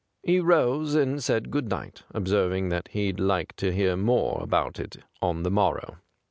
He rose and said good night, observing that he'd like to hear more about it on the morrow.